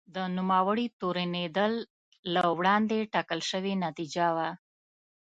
د نوموړي تورنېدل له وړاندې ټاکل شوې نتیجه وه.